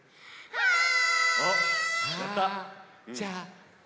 はい。